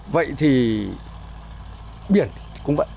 vậy thì biển cũng vậy